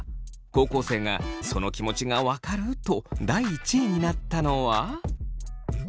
高校生がその気持ちが分かると第１位になったのは。